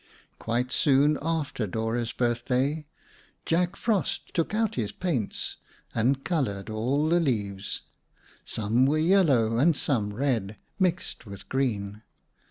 Quite soon after Dora's birthday, Jack Frost took out his paints and colored all the leaves. Some were yellow and some red, mixed with green.